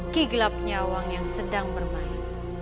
kigelap nyawang yang sedang bermain